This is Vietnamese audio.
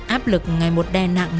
áp lực ngày một đè nặng